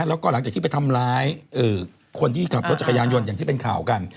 แล้วก็หลังจากที่ไปทำร้ายคนที่ขับรถจักรยานยนต์อย่างที่เป็นข่าวกัน